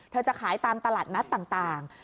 จะขายตามตลาดนัดต่าง